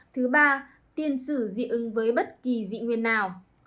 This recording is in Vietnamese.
thứ ba tiên sử dị ứng với bất kỳ dị nguyên nào